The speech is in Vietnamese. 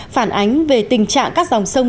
phản ánh về tình trạng các dòng sông